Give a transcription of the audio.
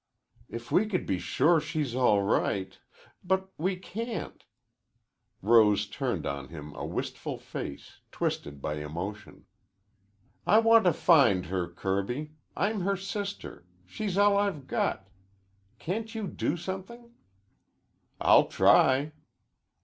"If we could be sure she's all right. But we can't." Rose turned on him a wistful face, twisted by emotion. "I want to find her, Kirby. I'm her sister. She's all I've got. Can't you do something?" "I'll try."